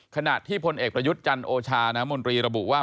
ขณะที่พลเอกประยุทธ์จันทร์โอชาน้ำมนตรีระบุว่า